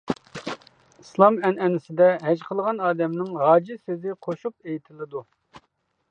ئىسلام ئەنئەنىسىدە ھەج قىلغان ئادەمنىڭ «ھاجى» سۆزى قوشۇپ ئېيتىلىدۇ.